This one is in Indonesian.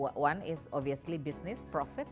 satu adalah business profit